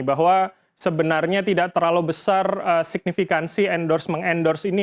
bahwa sebenarnya tidak terlalu besar signifikansi endorse mengendorse ini